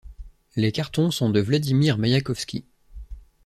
Les cartons sont de Vladimir Maïakovski.